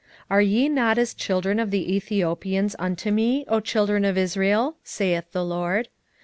9:7 Are ye not as children of the Ethiopians unto me, O children of Israel? saith the LORD.